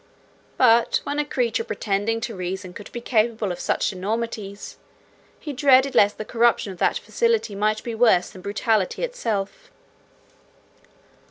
But when a creature pretending to reason could be capable of such enormities, he dreaded lest the corruption of that faculty might be worse than brutality itself.